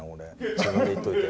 自分で言っといて。